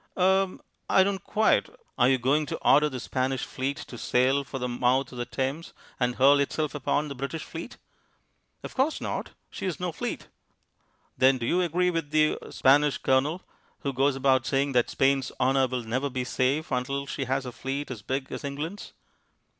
"Er I don't quite " "Are you going to order the Spanish Fleet to sail for the mouth of the Thames, and hurl itself upon the British fleet?" "Of course not, She has no fleet." "Then do you agree with the er Spanish Colonel, who goes about saying that Spain's honour will never be safe until she has a fleet as big as England's?"